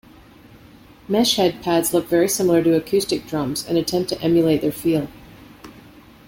Mesh-head pads look very similar to acoustic drums, and attempt to emulate their feel.